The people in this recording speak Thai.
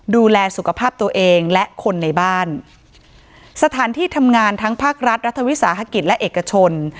ดูแลสุขภาพตัวเองและคนในบ้านสถานที่ทำงานทั้งภาครัฐรัฐวิสาหกิจและเอกชน